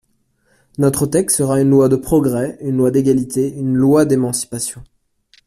Notre texte sera une loi de progrès, une loi d’égalité, une loi d’émancipation.